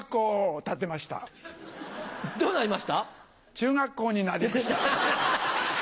中学校になりました。